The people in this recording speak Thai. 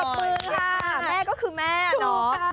ปืนค่ะแม่ก็คือแม่เนาะ